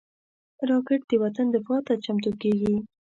راکټ د وطن دفاع ته چمتو کېږي